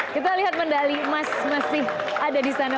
kita lihat medali emas masih ada di sana